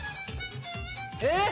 えっ⁉